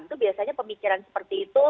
itu biasanya pemikiran seperti itu